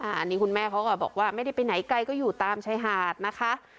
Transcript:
อันนี้คุณแม่เขาก็บอกว่าไม่ได้ไปไหนไกลก็อยู่ตามชายหาดนะคะ